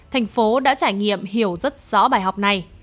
tp hcm đã trải nghiệm hiểu rất rõ bài học này